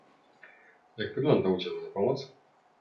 Jak wygląda udzielana pomoc?